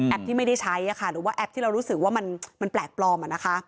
ที่ไม่ได้ใช้หรือว่าแอปที่เรารู้สึกว่ามันแปลกปลอม